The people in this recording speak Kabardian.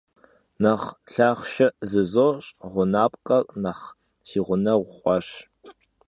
Nexh lhaxhşşe zızoş' — ğunapkher nexh si ğuneğu xhuaş.